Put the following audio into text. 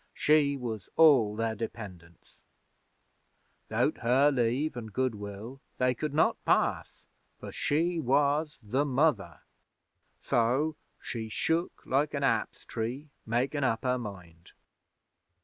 She was all their dependence. 'Thout her Leave an' Good will they could not pass; for she was the Mother. So she shook like a aps tree makin' up her mind.